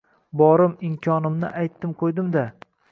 Borim — imkonimni aytdim-qo‘ydim-da